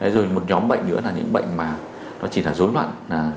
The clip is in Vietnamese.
rồi một nhóm bệnh nữa là những bệnh mà nó chỉ là dối loạn